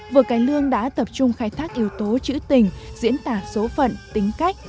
vở cải lương đã tập trung khai thác yếu tố chữ tình diễn tả số phận tính cách